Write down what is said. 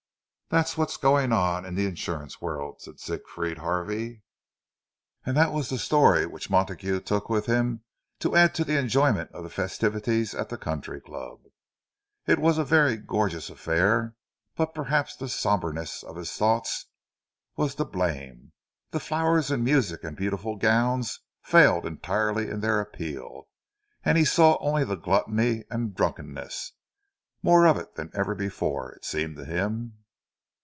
"That's what's going on in the insurance world!" said Siegfried Harvey. And that was the story which Montague took with him to add to his enjoyment of the festivities at the country club. It was a very gorgeous affair; but perhaps the sombreness of his thoughts was to blame; the flowers and music and beautiful gowns failed entirely in their appeal, and he saw only the gluttony and drunkenness—more of it than ever before, it seemed to him.